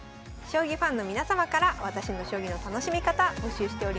将棋ファンの皆様から「私の将棋の楽しみ方」募集しております。